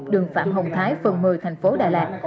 đường phạm hồng thái phường một mươi thành phố đà lạt